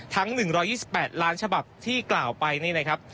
ทั้ง๑๒๘ล้านฉบับที่กล่าวไปนี่นะครับ